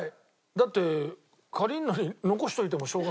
だって借りるのに残しといてもしょうがないよね。